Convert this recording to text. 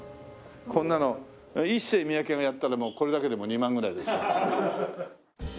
こんなのイッセイミヤケがやったらもうこれだけで２万ぐらいですよ。